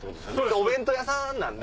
お弁当屋さんなんで。